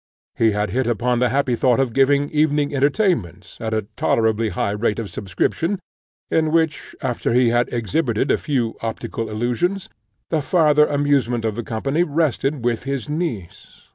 He had hit upon the happy thought of giving evening entertainments, at a tolerably high rate of subscription, in which, after he had exhibited a few optical illusions, the farther amusement of the company rested with his niece.